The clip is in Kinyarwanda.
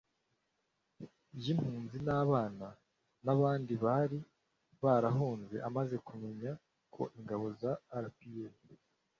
y impunzi abana n abandi bari barahunze amaze kumenya ko ingabo za rpa